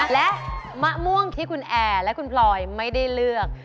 และมะม่วงที่คุณแอร์และคุณพลอยไม่ได้เลือก